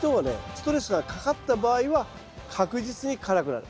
ストレスがかかった場合は確実に辛くなる。